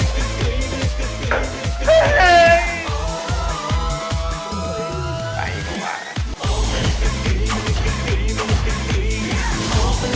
ท่องก็โทษให้ถูกพร้อม